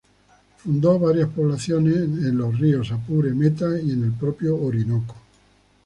Fundó varias poblaciones en los ríos Apure, Meta y en el propio Orinoco.